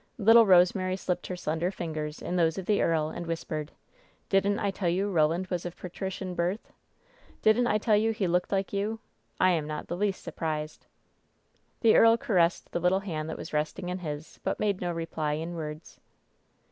Little Bosemary slipped her slender fingers in those of the earl, and whispered : rrO WHEN SHADOWS DIE ^TDidn't I tell you Eoland was of patrician birtli? Didn't I tell you he looked like you ? I am not the least surprised/' The earl caressed the little hand that was resting in his, but made no reply in words.